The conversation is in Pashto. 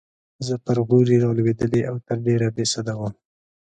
زه پر غولي رالوېدلې او تر ډېره بې سده وم.